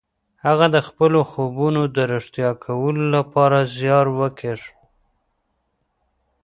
هغه د خپلو خوبونو د رښتيا کولو لپاره زيار وکيښ.